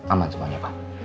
aman semuanya pak